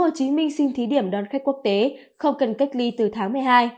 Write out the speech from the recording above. hồ chí minh xin thí điểm đón khách quốc tế không cần cách ly từ tháng một mươi hai